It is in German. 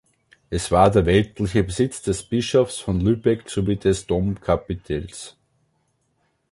Es war der weltliche Besitz des Bischofs von Lübeck sowie des Domkapitels.